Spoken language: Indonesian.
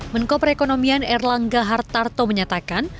menko perekonomian erlangga hartarto menyatakan